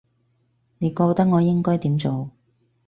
你覺得我應該點做